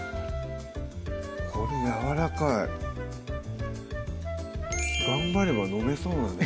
これやわらかい頑張れば飲めそうなね